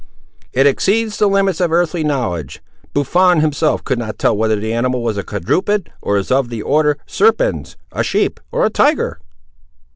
"It exceeds the limits of earthly knowledge! Buffon himself could not tell whether the animal was a quadruped, or of the order, serpens! a sheep, or a tiger!"